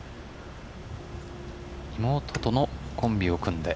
妹とのコンビを組んで。